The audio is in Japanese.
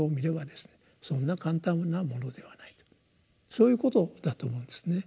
そんな簡単なものではないとそういうことだと思うんですね。